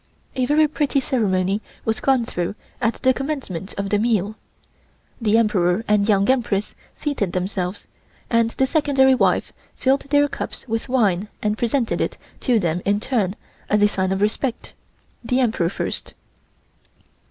A very pretty ceremony was gone through at the commencement of the meal. The Emperor and Young Empress seated themselves, and the Secondary wife filled their cups with wine and presented it to them in turn as a sign of respect, the Emperor first.